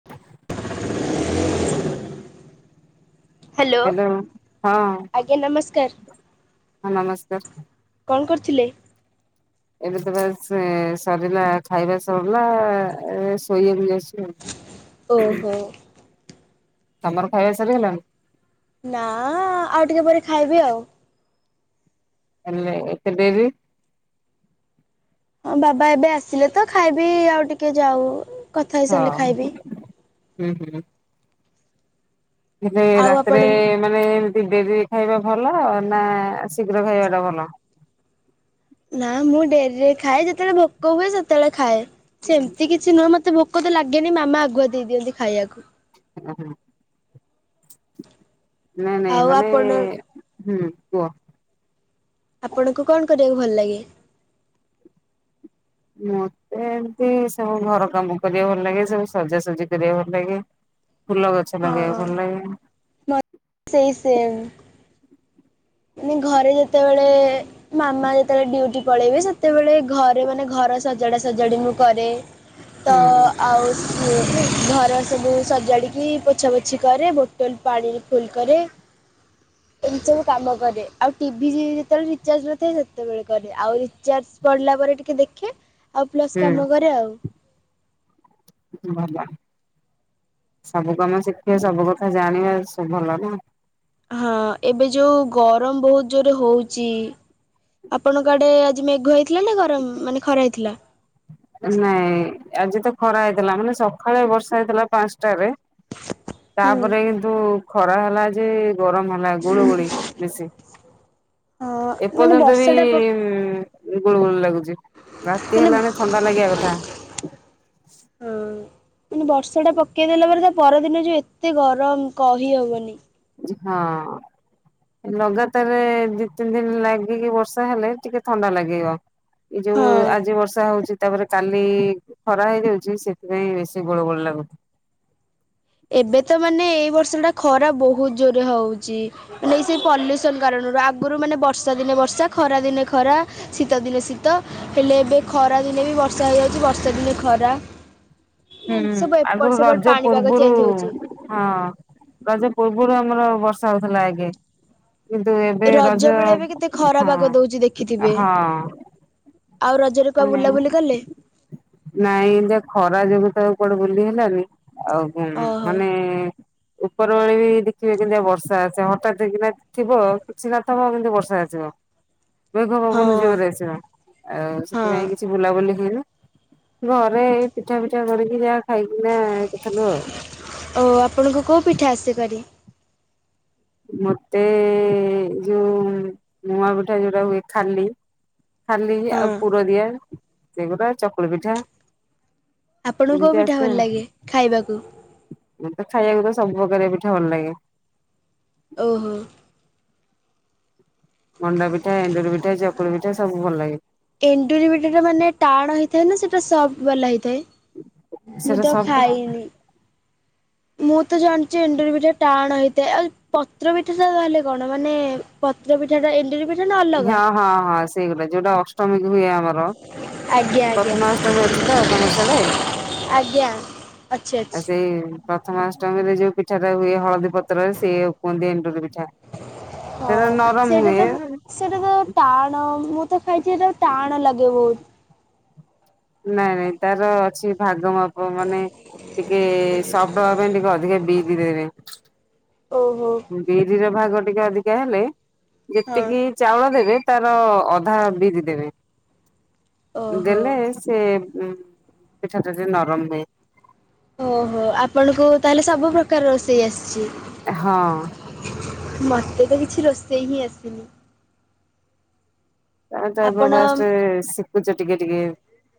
ହଁ ହ୍ୟାଲୋ ହଁ ଆଜ୍ଞା ହଁ ନମସ୍କାର। ନମସ୍କାର। କଣ କରୁଥିଲେ? ଏବେ ତ ବାସ୍ ଏ ସରିଲା ଖାଇବା ସରିଲା ଏ ଶୋଇବାକୁ ଯାଉଛୁ। ଓହୋ। ତମର ଖାଇବା ସରି ଗଲାଣି? ନାଁ ଆଉ ଟିକେ ପରେ ଖାଇବି ଆଉ। ହେଲେ ଏତେ ଡେରି ରେ? ହଁ ବାବା ଏବେ ଆସିଲେ ତ ଖାଇବି ଆଉ ଟିକେ ଯାଉ। କଥା ହେଇସାରିଲେ ହଁ ଖାଇବି। ହୁଁ ହୁଁ। ହେଲେ ଆଉ ଆପଣ ରାତିରେ ମାନେ ଏମତି ଡେରି ଖାଇବା ଭଲ ନା ଶୀଘ୍ର ଖାଇବାଟା ଭଲ? ନା ମୁଁ ଡେରି ରେ ଖାଏ ଯେତେବେଳେ ଭୋକ ହୁଏ ସେତେବେଳେ ଖାଏ ସେମିତି କିଛି ନୁହଁ ମତେ ଭୋକ ଭୋକ ତ ଲାଗେନି ମାମା ଆଗୁଆ ଦେଇ ଦିଅନ୍ତି ଖାଇବାକୁ। ଉ ହୁଁ ନାଇଁ ନାଇଁ ଆଉ ମାନେ ଆପଣ ହୁଁ କୁଅ? ଆପଣଙ୍କୁ କଣ କରିବାକୁ ଭଲ ଲାଗେ? ମତେ ଏମତି ସବୁ ଘର କାମ କରିବାକୁ ଭଲ ଲାଗେ ସବୁ ସଜାସଜି କରିବାକୁ ଭଲ ଲାଗେ। ଫୁଲ ଗଛ ଲଗେଇବାକୁ ଭଲ ହଁ ଲାଗେ। ସେଇ ସେମ୍। ମାନେ ଘରେ ଯେତେବେଳେ ମାମା ଯେତେବେଳେ ଡ୍ୟୁଟି ପଳେଇବେ ସେ ସେତେବେଳେ ଘରେ ମାନେ ଘର ସଜାଡ଼ା ସଜାଡ଼ି ମୁଁ କରେ ତ ହୁଁ ଆଉ ହୁଁ ଘର ସବୁ ସଜାଡିକି ପୋଛା ପୋଛି କରେ ବୋଟୋ ଲ ପାଣିରେ ଫୁଲ୍ କରେ। [unintelligible] କାମ କରେ ଆଉ ଟିଭି ଯେତେବେଳେ ରିଚାର୍ଜ ନଥାଏ ସେତେବେଳେ କରେ ଆଉ ରିଚାର୍ଜ ପଡ଼ିଲା ପରେ ଟିକେ ଦେଖେ ଆଉ ପ୍ଲସ୍ ହୁଁ କାମ କରେ ଆଉ। [unintelligible] ସବୁ କାମ ଶିଖିବା ସବୁ କଥା ଜାଣିବା ସବୁ ଭଲ ନାଁ। ହଁ ଏବେ ଯୋଉ ଗରମ ବୋହୁତ ଜୋରେ ହୋଉଚି। ଆପଣଙ୍କ ଆଡେ ଆଜି ମେଘ ହେଇଥିଲା ନା ଗରମ୍ ମାନେ ଖରା ହେଇଥିଲା? ନାଇଁ ଆଜି ତ ଖରା ହେଇଥିଲା ମାନେ ସକାଳେ ବର୍ଷା ହେଇଥିଲା ପାଁଶଟାରେ। ହୁଁ ତାପରେ କିନ୍ତୁ ଖରା ହେଲା ଯେ ଗରମ ହେ ନା ଗୁଳୁ ଗୁଳି ବେଶୀ ହଁ ମାନେ ଏପର୍ଯ୍ୟନ୍ତ ବି ବର୍ଷା ଟା ଗୁଳି ଗୁଳି ଲାଗୁଚି। ମାନେ ମାନେ ବର୍ଷା ଟା ପକେଇଦେଲା ପରେ ତା ପରଦିନ ଯୋଉ ଏତେ ଗରମ କହିହବନି। ଯି ହଁ ଲଗାତାରେ ଦି ତିନି ଦିନ ଲାଗିକି ବର୍ଷା ହେଲେ ଟିକେ ଥଣ୍ଡା ଲାଗିବ। ଏ ଯୋଉ ହଁ। ଆଜି ବର୍ଷା ହୋଉଚି। ତାପରେ କାଲି ଖରା ହେଇଯାଉଚି ସେଥିପାଇଁ ବେଶୀ ଗୁଳୁ ଗୁଳୀ ଲାଗୁଚି। ଏବେ ତ ମାନେ ଏଇ ବର୍ଷ ଟା ଖରା ବୋହୁତ ଜୋରେରେ ହଉଚି। ମାନେ ସେ ପଲ୍ୟୁସନ କାରଣରୁ ଆଗରୁ ମାନେ ବର୍ଷା ଦିନେ ବର୍ଷା ଖରା ଦିନେ ଖରା ଶୀତ ଦିନେ ଶୀତ ହେଲେ ଏବେ ଖରାଦିନେ ବି ବର୍ଷା ହେଯାଉଚି ବର୍ଷା ଦିନେ ଖରା। ହୁଁ ଏମିତି ସବୁ ଏପଟ ଆଗରୁ ସେପଟ ରଜ ପାଣିପାଗ ପୂର୍ବୁରୁ ଚେଞ୍ଜ ହଉଛି। ହଁ ରଜ ପୂର୍ବୁରୁ ଆମର ବର୍ଷା ହୋଉଥିଲା ଆଗେ। କିନ୍ତୁ ଏବେ ରଜ ବେଳେ ଏବେ କେତେ ଖରା ପାଗ ଦଉଛି ଦେଖିଥିବେ। ହଁ ହଁ ଆଉ ରଜରେ କୁଆ ମାନେ ବୁଲାବୁଲି କଲେ? ନାଇଁ ଏମତିଆ ଖରା ଯୋଗୁଁ ତ କୁଆଡେ ବୁଲି ହେଲାନି ଆଉ ଓହୋ ମାନେ ଉପର ବୋଳି ବି ଦେଖିବେ କେମତିଆ ବର୍ଷା ଆସେ ହଠାତ୍ କିନା ଥିବ କିଛି ନଥିବ କିନ୍ତୁ ବର୍ଷା ଆସିବ। ମେଘ ହଁ ପବନ ଜୋରରେ ଆସିବା ଆଉ ହଁ। ସେଥିପାଇଁ କିଛି ବୁଲାବୁଲି ହେଇନି। ଘରେ ଏଇ ପିଠା ପିଠା କରିକି ଯାହା ଖାଇକିନାଥିଲୁ ଆଉ। ଓ ଆପଣଙ୍କୁ କୋଉ ପିଠା ଆସେ କରି? ମତେ ଜୋଉ ମୁଆଁପିଠା ଯୋଉଟା ହୁଏ ଖାଲି ଖାଲି ଆଉ ହଁ ପୁର ଦିଆ ସେଗୋରା ଚକୁଳି ପିଠା। ଆପଣଙ୍କୁ କଉ ପିଠା ଭଲ ଲାଗେ ଖାଇବାକୁ। ମୋତେ ଖାଇବାକୁ ତ ସବୁପ୍ରକାର ପିଠା ଭଲ ଲାଗେ। ଓହୋ। ମଣ୍ଡା ପିଠା ଏଣ୍ଡୁରି ପିଠା ଚକୁଳି ପିଠା ସବୁ ଭଲ ଲାଗେ। ଏଣ୍ଡୁରି ପିଠା ଟା ମାନେ ଟାଣ ହେଇଥାଏ ନା ସେଇଟା ସଫ୍ଟ ବାଲା ହେଇଥାଏ? ମୁଁ ସେଟା ତ ସବଟା ଖାଇନି। ମୁଁ ତ ଜାଣିଛି ଏଣ୍ଡୁରି ପିଠା ଟାଣ ହେଇଥାଏ ଆଉ ପତ୍ର ପଠା ତାହଲେ କଣ ମାନେ ପତ୍ର ପିଠା ଟା ଏଣ୍ଡୁରି ପିଠା ନା ଅଲଗା? ହଁ ହଁ ହଁ ସେଇଗୁରା ଯୋଉଟା ଅଷ୍ଟମୀ ହୁଏ ଆମର ଆଜ୍ଞା ଆଜ୍ଞା ପ୍ରଥମାଷ୍ଟମୀ ଅଛି ତ ତମରସେଆଡ଼େ। ଆଜ୍ଞା ଅଛି ଆ ଅଛି ସେଇ ନି ପା ପାଷ୍ଟ ଟାଇମରେ ଯଉ ପିଠାଟା ହୁଏ ହଳଦୀ ପତ୍ରରେ ସେଏ କୁହନ୍ତି ଏଣ୍ଡୁରି ପିଠା। ସେଟା ହଁ ନରମ ସେଇଟା ତ ହୁଏ। ସେଇଟା ତ ଟାଣ ମୁଁ ତ ଖାଇଛି ସେଇଟା ଟାଣ ଲାଗେ ବହୁତ। ନାଇଁ ନାଇଁ ତାର ଅଛି ଭାଗ ମାପ ମାନେ ଟିକେ ସବ୍ଟ ହବା ପାଇଁ ଟିକେ ଅଧିକା ବି ବି ଦେଇ ଓହୋ। ବିରିର ଭାଗ ଟିକେ ଅଧିକା ହେଲେ ହଁ ଯେତିକି ଚାଉଳ ଦେବେ ତାର ଅଧା ବିରି ଦେବେ। ଓହୋ। ଦେଲେ ସେ ପିଠା ଟା ଟିକିଏ ନରମ ହୁଏ। ଓହୋ ଆପଣଙ୍କୁ ତାହେଲେ ସବୁ ପ୍ରକାର ରୋଷେଇ ଆସିଛି। ହଁ। ମତେ ତ କିଛି ରୋଷେଇ ହିଁ ଆସିନି। ଆ ତପ ଆପଣ ବାଷ୍ଟ ଶିଖୁଛ ଟିକେ ଟିକେ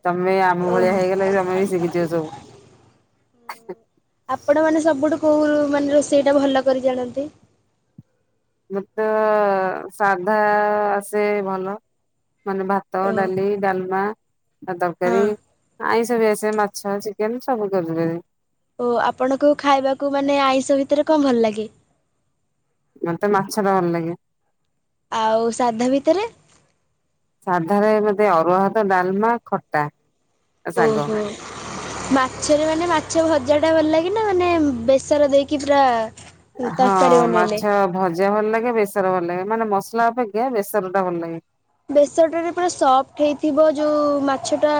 ତମେ ଆମ ଭଳିଆ ଓହୋ ହେଇଗଲା ବି ତମେ ବି ଶିଖିଛିବ ସବୁ। ଆପଣ ମାନେ ସବୁଠୁ କୋଉ ମାନେ ରୋଷେଇ ଟା ଭଲ କରି ଜାଣନ୍ତି। ମତେ ତ ସାଧା ଆସେ ଭଲ। ମାନେ ଭାତ ଓ ଡାଲି ଡାଲମା ତରକାରୀ ହଁ ଆଇଁଷ ଭିତରେ ମାଛ ମାଛ ଚିକେନ ସବୁ କରିଦେବୀ। ଓ ଆପଣଙ୍କୁ ଖାଇବାକୁ ମାନେ ଆଇଁଷ ଭିତରେ କଣ ଭଲ ଲାଗେ? ମତେ ମାଛ ଟା ଭଲ ଲାଗେ। ଆଉ ସାଧା ଭିତରେ? ସାଧାରେ ମତେ ଅରୁଆ ହାତ ଡାଲମା ଖଟା ଶାଗ। ହ [unintelligible] ମାଛରେ ମାନେ ମାଛ ଭଜା ଟା ଭଲ ଲାଗେ ନା ମାନେ ବେସର ଦେଇକି ପୁରା ହଁ ତରକାରୀ ବନେଇଲେ। ମାଛ। ଭଜା ଭଲ ଲାଗେ ବେସର ଭଲ ଲାଗେ ମାନେ ମସଲା ଅପେକ୍ଷା ବେସର ଟା ଭଲ ଲାଗେ। ବେସଟରେ ପୁରା ସଫ୍ଟ ହେଇଥିବ ଯୋଉ ମାଛଟା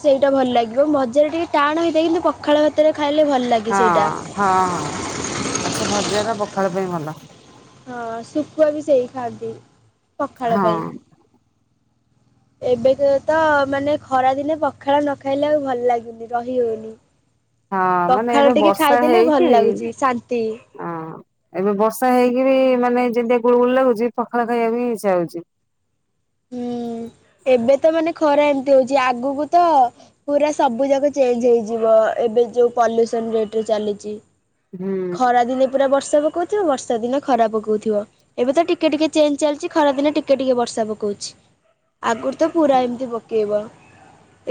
ସେଇଟା ଭଲ ଲାଗିବ ଭଜା ଟିକେ ଟାଣ ହେଇଥାଏ କିନ୍ତୁ ପଖାଳ ଭାତରେ ଖାଇଲେ ଭଲ ଲାଗେ। ହଁ ସେଇଟା। ହଁ ହଁ ମାଛ ଭଜା ର ପଖାଳ ପାଇଁ ଭଲ। ହଁ ଶୁଖୁଆ ବି ସେଇ ଖାଆନ୍ତି ପଖାଳ ପାଇଁ। ହଁ। ଏବେ ତ ତ ମାନେ ଖରାଦିନେ ପଖାଳ ନ ଖାଇଲେ ଆଉ ଭଲ ଲାଗୁନି ରହି ହଉନି। ହଁ ମାନେ ଏବେ ପଖାଳ ଟିକେ ଖାଇଦେଲେ ଭଲ ଲାଗୁଛି ଶାନ୍ତି। ଓଁ ଏବେ ବର୍ଷା ହେଇକି ବି ମାନେ ଯେମୀତି ଗୁଳ ଗୁଳି ଲାଗୁଛି ପଖାଳ ଖାଇବାକୁ ଇଛା ହଉଛି। ହୁଁ ଏବେ ତ ମାନେ ଖରା ଏମିତି ହଉଛି ଆଗକୁ ତ ପୁରା ସବୁ ଯାକ ଚେଞ୍ଜ ହେଇଯିବ। ଏବେ ଯୋଉ ପଲ୍ୟୁସନ ରେଟରେ ଚାଲିଚି। ହୁଁ ଖରା ଦିନେ ପୁରା ବର୍ଷା ପକୋଉଥିବ ବର୍ଷା ଦିନେ ଖରା ପକୋଉଥିବ। ଏବେ ତ ଟିକେ ଟିକେ ଚେଞ୍ଜ ଚାଲିଛି ଖରା ଦିନେ ଟିକେ ଟିକେ ବର୍ଷା ପକୋଉଛି। ଆଗରୁ ତ ପୁରା ଏମିତି ପକେଇବ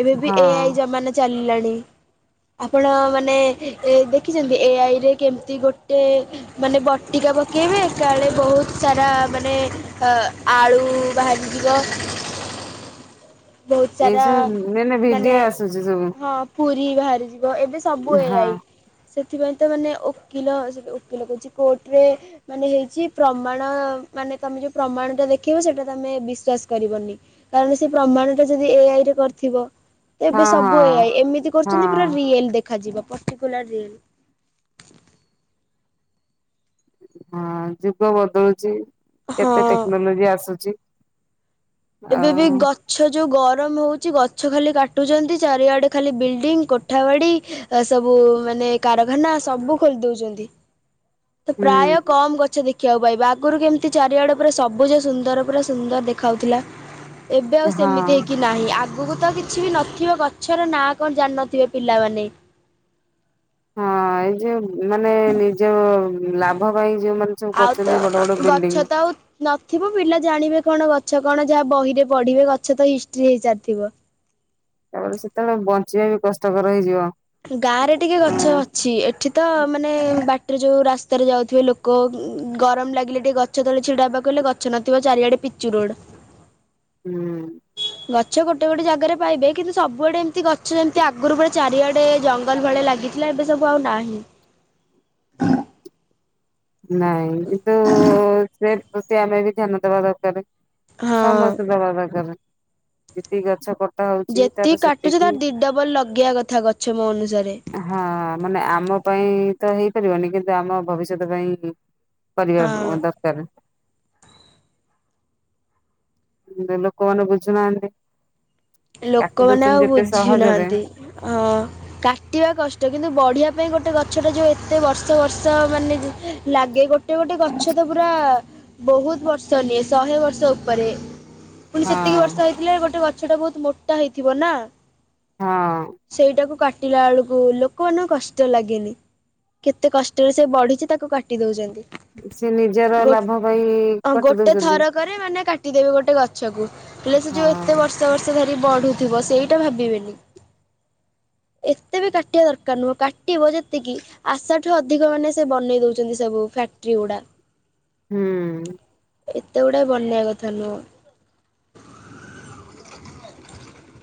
ଏବେ ବି ଏଆଇ ହଁ ଜମାନା ଚାଲିଲାଣି। ଆପଣ ମାନେ ଏଦେଖିଛନ୍ତି ଏଆଇରେ କେମିତି ଗୋଟେ ମାନେ ବଟିକା ପକେଇବେ କାଳେ ବହୁତ ସାରା ମାନେ ଅ ଆଳୁ ବାହାଜିଯିବ---ଆ ବୋହୁତ ଏଇ ସାରା ସବୁ ମାନେ ଭିଡିଓ ଆସୁଛି ସବୁ ହଁ ପୁରୀ ବାହାରିଯିବ ଏବେ ସବୁ ହଁ। ଏଇଆଇ ସେଥିପାଇଁତ ମାନେ ଓ କିଲ ଆଜି ଓକିଲ କହୁଚି କୋର୍ଟରେ ମାନେ ହେଇଚି ପ୍ରମାଣ ମାନେ ତମେ ଯୋଉ ପ୍ରମାଣ ଟା ଦେଖେଇବ ସେଟା ତମେ ବିଶ୍ଵାସ କରିବନି କାରଣ ସେ ପ୍ରମାଣଟା ଯଦି ଏଆଇରେ କରିଥିବ ଏବେ ହଁ ସବୁ ହଁ ଏଆଇ ଏମିତି କରୁଚନ୍ତି ପୁରା ହଁ। ରିଅଲ ଦେଖାଯିବ ପଟିକୁଲାର ରିଅଲ ହଁ ଯୁଗ ବଦଳୁଚି ହଁ କେତେ ଟେକ୍ନୋଲୋଜି ଆସୁଚି। ଏବେ ବି ଗଛ ଯୋଉ ଗରମ ହୋଉଚି ଗଛ ଖାଲି କାଟୁଚନ୍ତି ଚାରିଆଡେ ଖାଲି ବିଲିଡିଂ କୋ ଠାବାଡି ସବୁ ମାନେ କାରଖାନା ସବୁ ଖୋଲି ଦୋଉଚନ୍ତି। ତ ହୁଁ ପ୍ରାୟ କମ ଗଛ ଦେ ଖିଵାକୁ ପାଇବା ଆଗରୁ କେମିତି ଚାରିଆଡ଼େ ପୁରା ସବୁଜ ସୁନ୍ଦର ପୁରା ସୁନ୍ଦର ଦେଖାଉଥିଲା। ଏବେ ଆଉ ହଁ। ସେମିତି ହେଇକି ନାହିଁ ଆଗୁକୁତ ଵି କିଛିବି ନଥିବ ଗଛର ନାଁ କଣ ଜାଣିନଥିବେ ପିଲାମାନେ ହଁ ଏଇ ଯୋଉ ମାନେ ନିଜ ଲାଭ ପାଇଁ ଯୋଉମାନେ ସବୁ ଆଉ କରୁଛନ୍ତି ତ ବଡ ତ ବଡ ବିଲ୍ଡିଂ ଗଛତ ଆଉ ନଥିବ ପିଲା ଜାଣିବେ କଣ ଗଛ କଣ ଯାହା ବହିରେ ପଢିବେ ଗଛ ତ ହିଷ୍ଟ୍ରି ହେଇସାରିଥିବ କାରଣ ସେତେବେଳେ ବଞ୍ଚିବା ବି କଷ୍ଟକର ହେଇଯିବ। ଗାଁରେ ଟିକେ ଅ ଗଛ ଅଛି ଏଠି ତ ମାନେ ବାଟେରେ ଯୋଉ ରାସ୍ତାରେ ଯାଉଥିବେ ଲୋକୋ ଗରମ ଲାଗିଲେ ଟିକେ ଗ ଛ ତଳେ ଛିଡା ହେବାକୁ ହେଲେ ଗଛ ନଥିବ ଚାରିଆଡେ ପିଚୁ ରୋଡୋ। ଚୋ ହୁଁ ଗଛ ଗୋଟେ ଗୋଟେ ଜାଗାରେ ପାଇବେ କିନ୍ତୁ ସବୁଆଡେ ଏମିତି ଗଛ ଯେମିତି ଆଗରୁ ପୁରା ଚାରିଆଡେ ଟେ ଜଙ୍ଗଲ ଭଳିଆ ଲାଗିଥିଲା ଏବେ ସବୁ ଆଉ ନାହିଁ। ନାଇଁ କିନ୍ତୁ ସେ ପ୍ରତି ଆମେ ବି ଧ୍ୟାନ ଦେବା ଦରକାରେ। ହଁ ସମସ୍ତେ ଦବା ଦରକାରେ। ଯେତିକି ଗଛ କ ଯେତିକି କାଟୁଚ ତାର ଦିଡବଲ ଲଗେଇବା କଥା ଗଛ ମୋ ଅନୁସାରେ। ହଁ ମାନେ ଆମ ପାଇଁ ତ ହେଇପାରିବନି। କିନ୍ତୁ ଆମ ଭବିଷ୍ୟତ ପାଇଁ କରିବା ହଁ ପୁ ଦରକାରେ। ଗୁରେ ଲୋକମାନେ ବୁଝୁନାହାନ୍ତି। କାଟି ଲୋକମାନେ ଆଉ ଦଉଛନ୍ତି ଯେତେ ସହଜରେ ବୁଝିନାହାନ୍ତି। ହଁ କାଟିବା କଷ୍ଟ। କିନ୍ତୁ ବଢିବା ପାଇଁ ଗୋଟେ ଗଛଟା ଯୋଉ ଏତେ ବର୍ଷ ବର୍ଷ ମାନେ ଜ ଲାଗେ ଗୋ ଗୋଟେ ଗୋଟେ ଗଛ ତ ପୁରା ବହୁତ୍ ବର୍ଷ ନିଏ। ଶହେ ବର୍ଷ ଉପରେ ପୁଣି ସେତିକି ହଁ। ବର୍ଷ ହେଇଥିଲେ ଗୋଟେ ଗଛ ଟା ବହୁତ୍ ମୋଟା ହେଇଥିବ ନା। ହଁ। ସେଇଟାକୁ କାଟିଲା ବେଳକୁ ଲୋକମାନଙ୍କୁ କଷ୍ଟ ଲାଗେନି। କେତେ କଷ୍ଟରେ ସେ ବଢିଚି ତାକୁ କାଟି ଦୋଉଚନ୍ତି। ସେ ନିଜର ଲାଭ ପାଇଁ କଟି ଦୋଉଚନ୍ତି। ରାଗ ରେ ମାନେ କାଟିଦେବେ ଗୋଟେ ଗଛ କୁ ହେଲେ ସେ ଯୋଉ ଏତେ ହଁ। ବର୍ଷ ସେ ଧାରି ବଢୁଥିବ ସେଇଟା ଭାବିବେନି। ଏତେ ବି କାଟିବା ଦରକାର ନୁହଁ କାଟିବ ଯେତିକି ଆଶାଠୁ ଅଧିକ ମାନେ ସେ ବନେଇ ଦଉଛନ୍ତି ସବୁ ଫ୍ୟାକ୍ଟ୍ରି ଗୁଡା। ହୁଁ। ଏତେ ଗୁଡାଏ ବନ୍ୟା କଥା ନୁହଁ।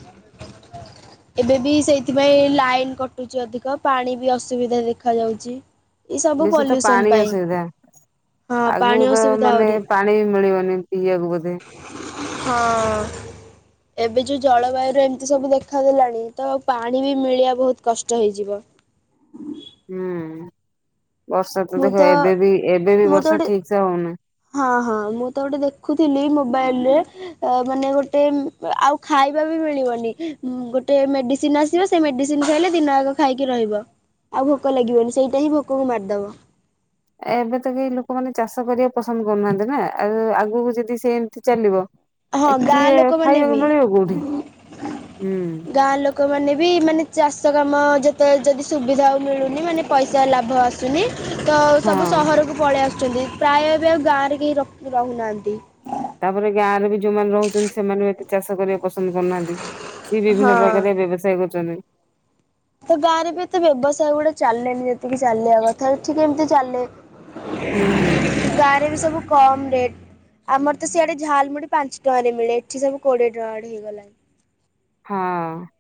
[inaudible] ଏବେ ବି ସେଇଥିପାଇଁ ଲାଇନ କଟୁଛି ଅଧିକ ପାଣି ବି ଅସୁବିଧା ଦେଖା ଯାଉଛି ବେଶୀ ତ ପାଣି ଅସୁବିଧା। ହଁ ଆଗୁକୁ ପାଣି ତ ଅସୁବିଧା ମାନେ ଆହୁରି ପାଣି ବି ମିଳିବନି ପିଇବାକୁ ବୋଧେ। ହଁ ଏବେ ଯୋଉ ଜଳବାୟୁ ର ଏମିତି ସବୁ ଦେଖ ଦେଖା ଦେଲାଣି ତ ପାଣି ବି ମିଳିବା ବହୁତ କଷ୍ଟ ହେଇଯିବ। ହୁଁ ବର୍ଷା ତ ଦେଖ ଏବେ ବି ଏବେ ବି ମୁଁ ତ ବର୍ଷା ଗୋଟେ ଠିକସେ ହଉନୁ। ହଁ, ହଁ ମୁଁ ତ ଗୋଟେ ଦେଖୁଥିଲି ମୋବାଇଲ ରେ ଅ ମାନେ ଗୋଟେ ଆଉ ଖାଇବା ବି ମିଳିବନି ଗୋଟେ ମେଡିସିନ ଆସ ସିବ ସେ ମେଡିସିନ ଖାଇଲେ ଦିନ ଆଗ ଖାଇକି ରହିବ ଆଉ ଭୋକ ଲାଗିବନି ସେଇଟା ହିଁ ଭୋକକୁ ମାରିଦବ। ଏବେ ତ କେହି ଲୋକମାନେ ଚାଷ କରିବାକୁ ପସନ୍ଦ କରୁନାହାନ୍ତି ନା ଆଉ ଆଗକୁ ଯଦି ସେ ଏମିତି ଚାଲିବ। ହଁ ଗାଁ କିଏ ଲୋକମାନେ ଖାଇବାକୁ ବି ମିଳିବ କୋଉଠି ହୁଁ। ଗାଁ ଲୋକମାନେ ବି ମାନେ ଚାଷ କାମ ଯେତେ ଯଦି ସୁବିଧା ଆଉ ମିଳୁନି ମାନେ ପଇସା ଲାଭ ଆସୁନି। ତ ସବୁ ହଁ। ସହରକୁ ପଳେଇ ଆସୁଛନ୍ତି ପ୍ରାୟ ଏବେ ଆଉ ଗାଁ ରେ କେହି ରହୁ ନାହାନ୍ତି। ତାପରେ ଗାଁରେ ବି ଯୋଉମାନେ ରହୁଛନ୍ତି ସେମାନେ ବି ଏତେ ଚାଷ କରିବାକୁ ପସନ୍ଦ କରୁନାହାନ୍ତି। ସିଏ ହଁ। ବିଭିନ୍ନ ପ୍ରକାର ବ୍ୟବସାୟ କରୁଛନ୍ତି। ତ ଗାଁ ରେ ବି ଏତେ ବ୍ୟବସାୟ ଗୁଡା ଚାଲେନି ଯେତିକି ଚାଲିବା କଥାଠିକ ଏମିତି ଚାଲେ। ହୁଁ ହୁଁ। ଗାଁରେ ବି ସବୁ କମ୍ ରେଟ୍। ଆମର ତ ସିଆଡେଝାଲମୁଢି ପାଞ୍ଚ ଟଙ୍କାରେ ମିଳେ ଏଠି ସବୁ କୋଡିଏ ଟଙ୍କା ଆଡେ ହେଇଗଲାଣି। ହଁ।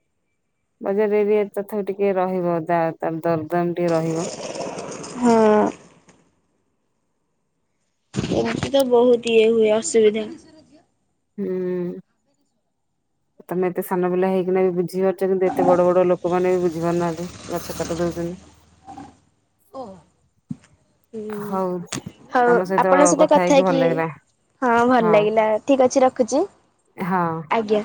ବଜାରରେ ବି ତଥାପି ଟିକେ ରହିବ ଦା ଦରଦାମ ଟିକେ ରହିବ। ହଁ। ଏମିତି ତ ବହୁତ ଇଏ ହୁଏ ଅସୁବିଧା। ହୁଁ। ତମେ ଏତେ ସାନ ପିଲା ହେଇକିନା ବି ବୁଝିପାରୁଛ କିନ୍ତୁ ଏତେ ବଡ ବଡ ଲୋକମାନେ ବି ବୁଝିପାରୁନାହାନ୍ତି ଗଛ କାଟି ଦଉଛନ୍ତି। ଓ। ହୁଁ ହଉ ତମ ହଉ ଆପଣଙ୍କ ସହିତ କଥା ହେଇକି ହେ ଭଲ କି ଲାଗିଲା ହଁ ଭଲ ଲାଗିଲା ଠିକ ଅଛି ରଖୁଛି। ହଁ। ଆଜ୍ଞା।